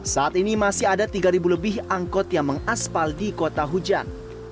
saat ini masih ada tiga lebih angkot yang mengaspal di kota hujan